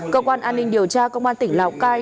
cơ quan an ninh điều tra công an tỉnh lào cai